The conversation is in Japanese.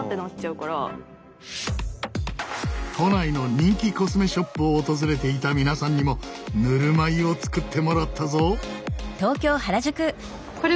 都内の人気コスメショップを訪れていた皆さんにもぬるま湯を作ってもらったぞ。